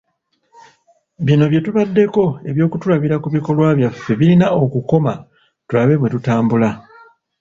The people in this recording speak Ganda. Bino bye tubaddeko eby'okutulabira ku bikolwa byaffe birina okukoma tulabe bwetutambula.